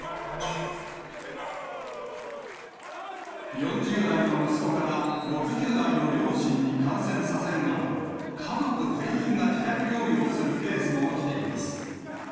４０代の息子から６０代の両親に感染させるなど、家族全員が自宅療養するケースも起きています。